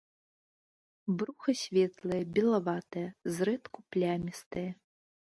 Бруха светлае, белаватае, зрэдку плямістае.